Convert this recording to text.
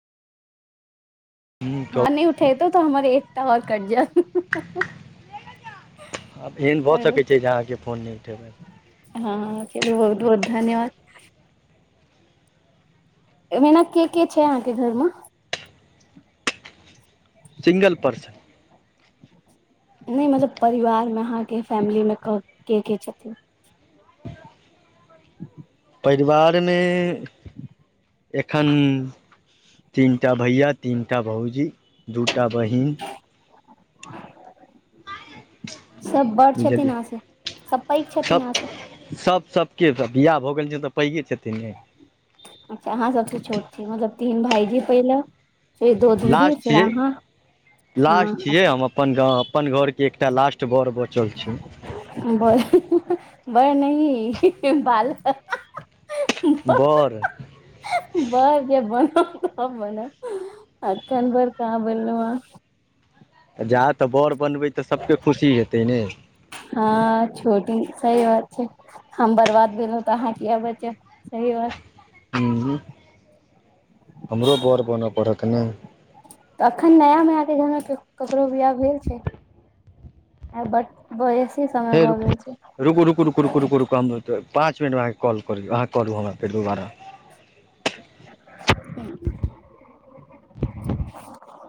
हुँ कहू हँ नय उठेतो तऽ हमर एकटा ओर कैट जात आब एहन भऽ सकैत छै जे अहाँके फोन नय उठेबै हँ चलू बहुत बहुत धन्यवाद ऐ मने के के छै अहाँके घर मे सिंगल पर्सन नय मतलब परिवार मे अहाँके फैमिली मे के के छथिन परिवार में एखन तीनटा भैया तीनटा भौजी दूटा बहिन [inaudible] सब बड़ छथिन बुझलियै अहाँ से सब पैघ छथिन अहाँ से के तऽ बियाह भऽ गेल छै तऽ पैघ छथिन ने अच्छा अहाँ सबस छोट छीय मतलब तीन भायजी पहिले फेर दो दीदी लास्ट फिर छियै अहाँ हाँ लास्ट छियै अच्छा हम अपन गाँव अपन घरके एकटा लास्ट बर बचल छै बल बर न बाल क बर बस जे बन त मने अखन भर क बलल जा तऽ बर बनबै तऽ सभ के खुशी हेतै ने हँ छोटी सही बात छै हम बर्बाद भेलु त अहाँ किया बचब सही बात ह हमरो बर बनऽ पड़त ने तऽ अखन नया नया मै अहांके घरमे ककरो बियाह भेल छै बट बेसी समय हे भऽ रुकू गेल छै रुकू रु रुक रुकू रकू रुू हम त पाँच मिनटमे अहके कॉल करौ अहाँ कह करू हमराे दोबारा हूँ